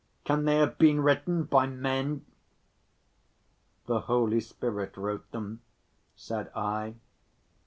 Can they have been written by men?" "The Holy Spirit wrote them," said I.